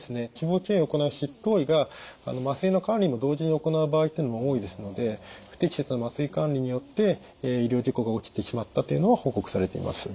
脂肪吸引を行う執刀医が麻酔の管理も同時に行う場合というのも多いですので不適切な麻酔管理によって医療事故が起きてしまったというのは報告されています。